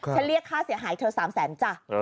เรียกค่าเสียหายเธอ๓แสนจ้ะ